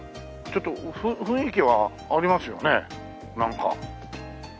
ちょっと雰囲気はありますよねなんか。